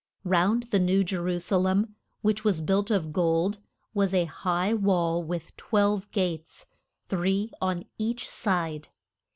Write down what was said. Round the New Je ru sa lem, which was built of gold, was a high wall with twelve gates, three on each side.